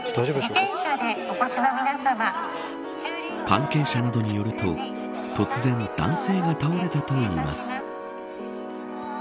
関係者などによると突然、男性が倒れたといいます。